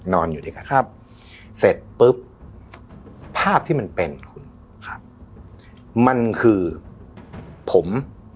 นอนอยู่ด้วยกันครับเสร็จปุ๊บภาพที่มันเป็นคุณครับมันคือผม